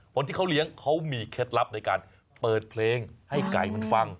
คนที่เขาเลี้ยงเขามีเคล็ดลับในการเปิดเพลงให้ไก่มันฟัง